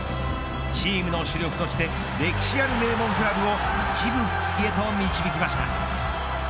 チームの主力として歴史ある名門クラブを１部復帰へと導きました。